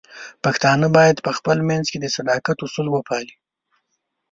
پښتانه بايد په خپل منځ کې د صداقت اصول وپالي.